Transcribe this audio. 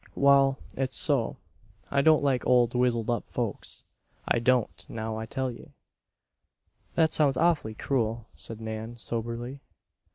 "Wal, it's so. I don't like old, wizzled up folks, I don't, now I tell ye!" "That sounds awfully cruel," said Nan, soberly.